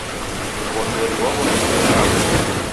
Mw'ongeri waw'ongia ukaghwa